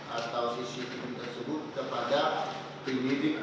atau tv tersebut kepada penyelidik